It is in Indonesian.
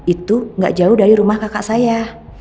itu gak jauh dari rumah kakak saya